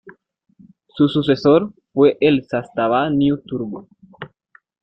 Su sucesor fue el Zastava New Turbo.